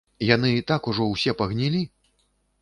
Яны так ўжо ўсе пагнілі!